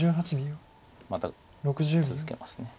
また続けますね。